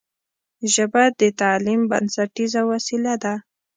ژبه د تعلیم بنسټیزه وسیله ده